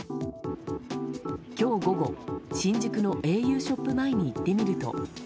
今日午後、新宿のａｕショップ前に行ってみると。